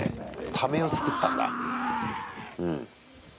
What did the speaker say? ためをつくったんだ。